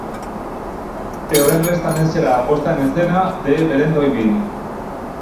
E o venres tamén será a posta en escena de Belén Toimil.